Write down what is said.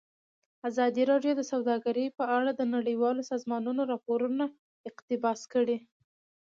ازادي راډیو د سوداګري په اړه د نړیوالو سازمانونو راپورونه اقتباس کړي.